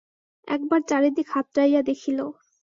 একবার চারিদিক হাতড়াইয়া দেখিল।